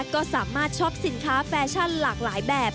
ก็สามารถช็อปสินค้าแฟชั่นหลากหลายแบบ